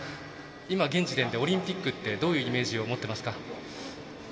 現時点でオリンピックってどういうイメージを持っていますか？